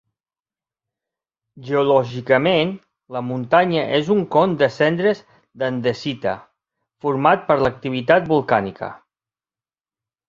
Geològicament, la muntanya és un con de cendres d'andesita, format per l'activitat volcànica.